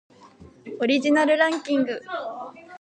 オリジナルランキング